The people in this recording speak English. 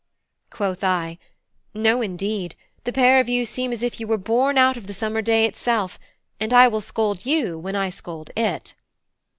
Quoth I: "No, indeed; the pair of you seem as if you were born out of the summer day itself; and I will scold you when I scold it."